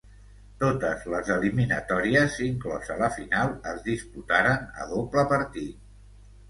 Totes les eliminatòries, inclosa la final, es disputaren a doble partit.